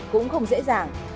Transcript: cũng không dễ dàng